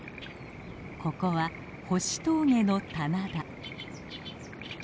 ここは星峠の棚田。